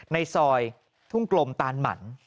ในซอยทุ่งกลมตานหมั่น